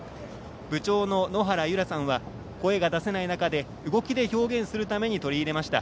部長の、のはらゆらさんは声が出せない中動きで表現するために取り入れました。